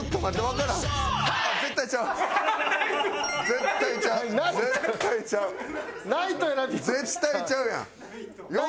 絶対ちゃうやん。